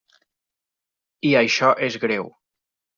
I això és greu.